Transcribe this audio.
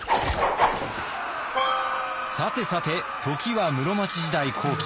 さてさて時は室町時代後期。